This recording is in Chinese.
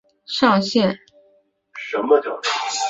力量同时决定了人物负重上限。